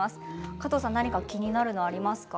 加藤さん気になるのはありますか。